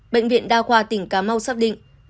bệnh viện đa khoa tỉnh cà mau xác định